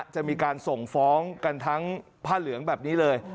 จะมีการส่งฟ้องกันทั้งผ้าเหลืองแบบนี้เลย